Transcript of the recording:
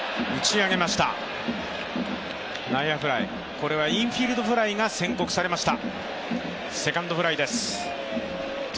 これはインフィールドフライが宣告されました。